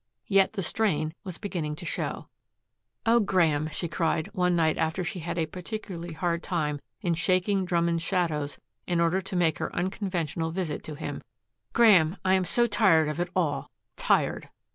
Yet the strain was beginning to show. "Oh, Graeme," she cried, one night after she had a particularly hard time in shaking Drummond's shadows in order to make her unconventional visit to him, "Graeme, I'm so tired of it all tired."